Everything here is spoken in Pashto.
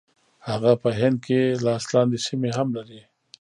هغه په هند کې لاس لاندې سیمې هم لري.